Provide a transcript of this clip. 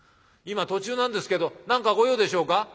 今途中なんですけど何か御用でしょうか？」。